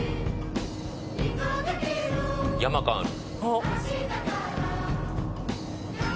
山感ある。